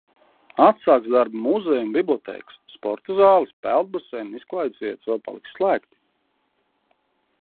Atsāks darbu muzeji un bibliotēkas. Sporta zāles, peldbaseini un izklaides vietas vēl paliks slēgti.